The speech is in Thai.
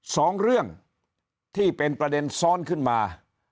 สองเรื่องที่เป็นประเด็นซ้อนขึ้นมา